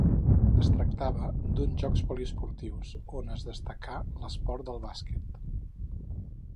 Es tractava d'uns jocs poliesportius, on en destacà l'esport del bàsquet.